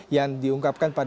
yang diungkapkan pada